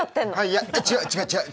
いや違う違う違う。